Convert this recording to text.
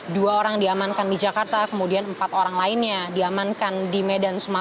dua orang diamankan di jakarta kemudian empat orang lainnya diamankan di medan sumatera